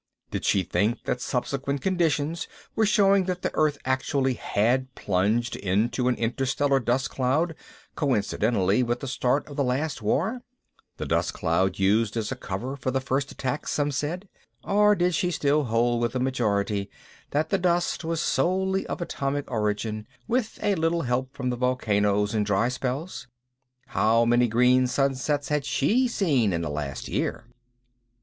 Did she think that subsequent conditions were showing that the Earth actually had plunged into an interstellar dust cloud coincidentally with the start of the Last War (the dust cloud used as a cover for the first attacks, some said) or did she still hold with the majority that the dust was solely of atomic origin with a little help from volcanoes and dry spells? How many green sunsets had she seen in the last year?